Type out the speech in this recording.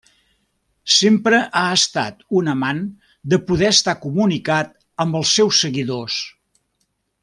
Sempre ha estat un amant de poder estar comunicat amb els seus seguidors.